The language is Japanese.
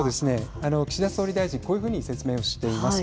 岸田総理大臣こういうふうに説明をしています。